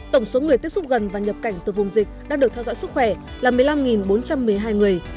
tổng số người tiếp xúc gần và nhập cảnh từ vùng dịch đang được theo dõi sức khỏe là một mươi năm bốn trăm một mươi hai người